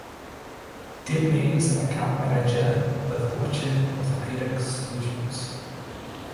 Debney is an Account Manager with Orchid Orthopedic Solutions.